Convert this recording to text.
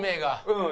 うん。